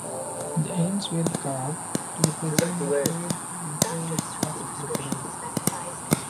The ends were carved to represent the head and tail of a crocodile.